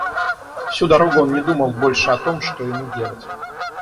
Всю дорогу он не думал больше о том, что ему делать.